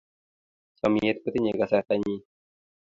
Chomnyet kotinyei kasartanyi.